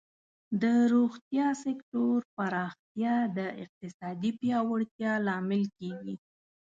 د روغتیا سکتور پراختیا د اقتصادی پیاوړتیا لامل کیږي.